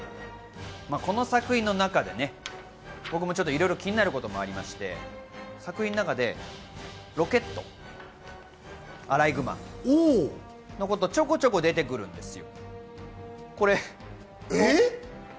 この作品の中で僕もいろいろ気になることもありまして、作品の中でロケット、アライグマ、のこと、ちょこちょこ出てくるんですよ。